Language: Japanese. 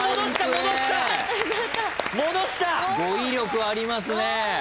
語彙力ありますね。